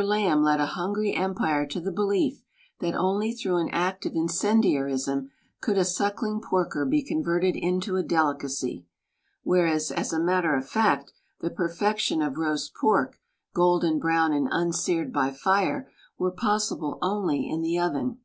Lamb led a himgry eiri pire td the belief that only through ari act tif ihcendiarisni Could a siicklirig porker be converted into a delicacy; whereas, as a matter of fact; the pisrfCctidn iaf roast pork, golden brown arid unseared by fire, Vere possible only in the oven.